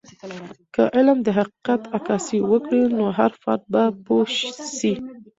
که علم د حقیقت عکاسي وکړي، نو هر فرد به پوه سي.